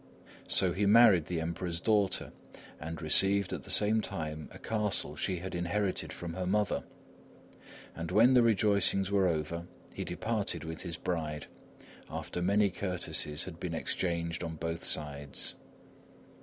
So he married the Emperor's daughter, and received at the same time a castle she had inherited from her mother; and when the rejoicings were over, he departed with his bride, after many courtesies had been exchanged on both sides.